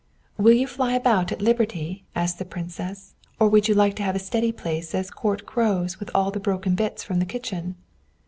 "Will you fly about at liberty?" asked the Princess; "or would you like to have a steady place as court Crows with all the broken bits from the kitchen?"